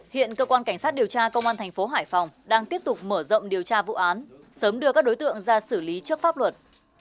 hiện cơ quan cảnh sát điều tra công an thành phố hải phòng đang tiếp tục mở rộng điều tra vụ án sớm đưa các đối tượng ra xử lý trước pháp luật